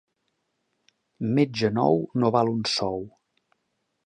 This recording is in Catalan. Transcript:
Metge nou no val un sou.